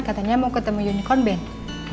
katanya mau ketemu unicorn band